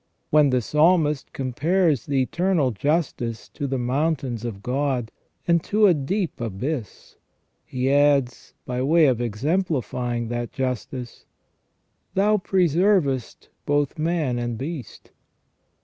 When the Psalmist compares the eternal justice to the mountains of God, and to a deep abyss, he adds, by way of exemplifying that justice :"■ Thou preservest both man and beast